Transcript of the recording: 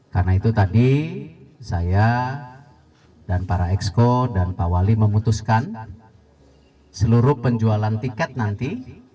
karena itu tadi saya dan para eksko dan pak wali memutuskan seluruh penjualan tiket nanti